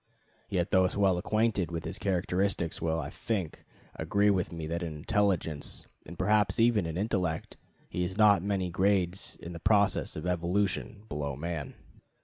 Yet those well acquainted with his characteristics will, I think, agree with me that in intelligence and perhaps even in intellect he is not many grades in the process of evolution below man.